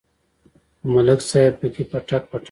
خو ملک صاحب پکې پټک پټک شو.